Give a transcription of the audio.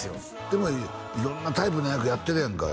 でも色んなタイプの役やってるやんか